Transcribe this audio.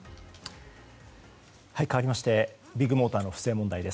かわしましてビッグモーターの不正問題。